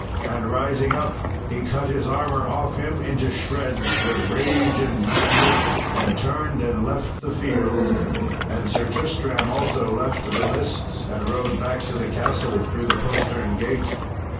And rising up, he cut his armour off him into shreds with rage and madness, and turned and left the field: and Sir Tristram also left the lists, and rode back to the castle through the postern gate.